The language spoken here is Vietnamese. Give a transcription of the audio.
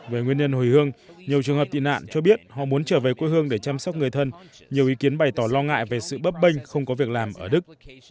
về nguyên nhân hồi hương nhiều trường hợp tị nạn cho biết họ muốn trở về quê hương để chăm sóc người thân nhiều ý kiến bày tỏ lo ngại về sự bấp bênh không có việc làm ở đức